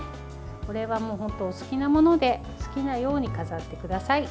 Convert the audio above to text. これは本当、お好きなもので好きなように飾ってください。